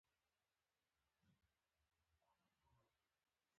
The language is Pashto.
د محصل لپاره علمي کار د شخصیت جوړونه ده.